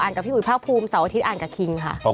กับพี่อุ๋ยภาคภูมิเสาร์อาทิตยอ่านกับคิงค่ะ